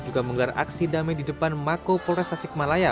juga menggelar aksi damai di depan mako polres tasikmalaya